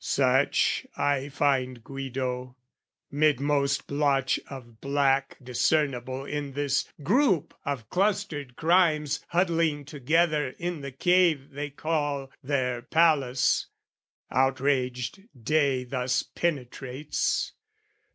Such I find Guido, midmost blotch of black Discernible in this group of clustered crimes Huddling together in the cave they call Their palace, outraged day thus penetrates.